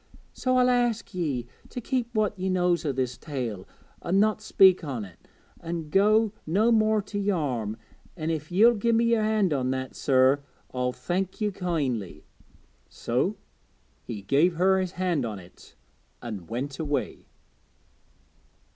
So I'll ask ye to keep what ye knows o' this tale an' not speak on't, an' go no more to Yarm; an' if ye'll give me yer hand on that, sir, I'll thank ye kindly.' So he gave her his hand on it, and went away.